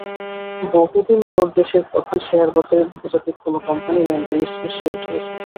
বহুদিন পর দেশের প্রধান শেয়ারবাজারে বহুজাতিক কোনো কোম্পানি লেনদেনের শীর্ষে উঠে এসেছে।